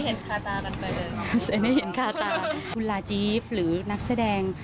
วันนี้ก็มาเซ็นให้เห็นคาตากันไปเลยนะครับคุณลาจีฟหรือนักแสดง